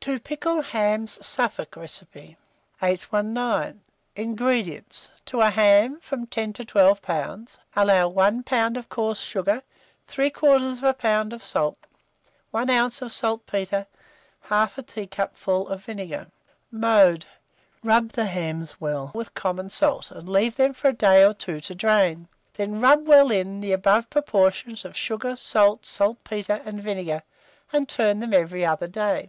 TO PICKLE HAMS (Suffolk Recipe). 819. INGREDIENTS. To a ham from 10 to 12 lbs., allow 1 lb. of coarse sugar, 3/4 lb. of salt, 1 oz. of saltpetre, 1/2 a teacupful of vinegar. Mode. Rub the hams well with common salt, and leave them for a day or two to drain; then rub well in, the above proportion of sugar, salt, saltpetre, and vinegar, and turn them every other day.